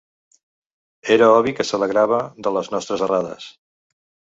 Era obvi que s"alegrava de les nostres errades.